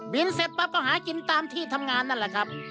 เสร็จปั๊บก็หากินตามที่ทำงานนั่นแหละครับ